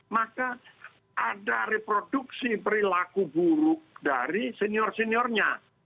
maka ada reproduksi perilaku buruk dari senior seniornya